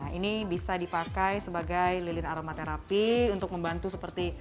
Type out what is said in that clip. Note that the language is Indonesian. nah ini bisa dipakai sebagai lilin aromaterapi untuk membantu seperti